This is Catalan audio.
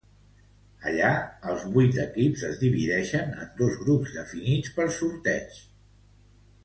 Allà els vuit equips es dividixen en dos grups definits per sorteig.